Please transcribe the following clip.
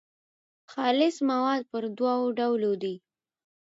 خالص مواد پر دوو ډولو دي.